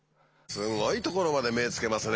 すごいところまで目をつけますね。